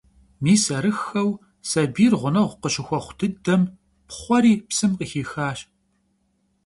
Mis arıxxeu, sabiyr ğuneğu khışıxuexhu dıdem, pxhueri psım khıxixaş.